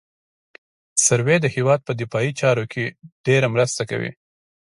سروې د هېواد په دفاعي چارو کې ډېره مرسته کوي